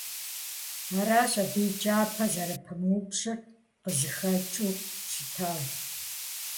Аращ абы и кӀапэр зэрыпамыупщӀыр къызыхэкӀыу щытар.